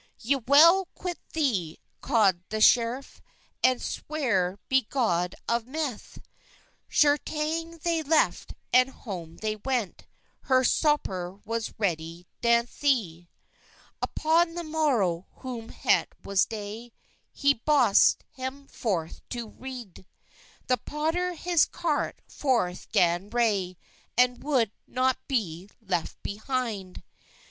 "Y well queyt the," kod the screffe, And swer be god of meythe; Schetyng thay left, and hom they went, Her scoper was redey deythe. Upon the morow, when het was day, He boskyd hem forthe to reyde; The potter hes carte forthe gan ray, And wolde not [be] leffe beheynde.